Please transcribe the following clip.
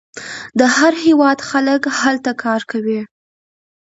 د هر هیواد خلک هلته کار کوي.